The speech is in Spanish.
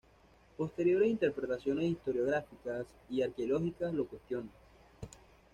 Posteriores interpretaciones historiográficas y arqueológicas lo cuestionan.